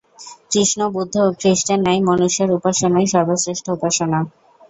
কৃষ্ণ, বুদ্ধ ও খ্রীষ্টের ন্যায় মনুষ্যের উপাসনাই সর্বশ্রেষ্ঠ উপাসনা।